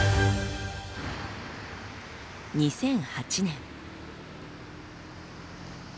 ２００８年。